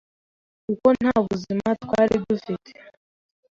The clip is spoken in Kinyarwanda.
kuko nta buzima twari dufite